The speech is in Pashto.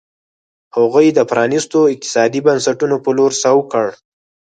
هغوی د پرانیستو اقتصادي بنسټونو په لور سوق کړ.